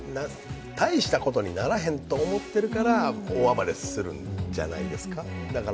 大したことにならへんと思ってるから大暴れするんじゃないですか。